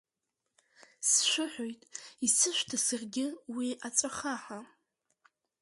Сшәыҳәоит, исышәҭа саргьы уи Аҵәахаҳа!